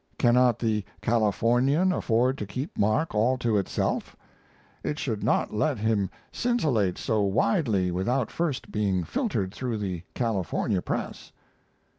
Cannot the 'Californian' afford to keep Mark all to itself? It should not let him scintillate so widely without first being filtered through the California press."